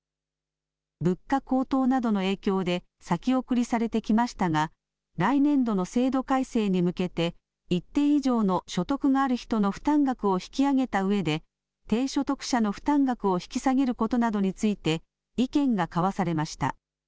物価高騰などの影響で先送りされてきましたが、来年度の制度改正に向けて、一定以上の所得がある人の負担額を引き上げたうえで、低所得者の負担額を引き下げることなどについて意見が交わされました。